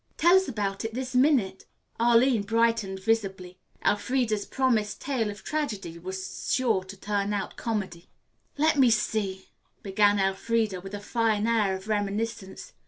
"Tell us about it this minute." Arline brightened visibly. Elfreda's promised tale of tragedy was sure to turn out comedy. "Let me see," began Elfreda with a fine air of reminiscence.